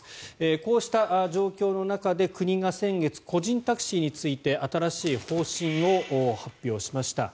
こうした状況の中で国が先月、個人タクシーについて新しい方針を発表しました。